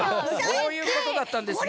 そういうことだったんですね。